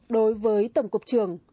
đối với tổng cục trưởng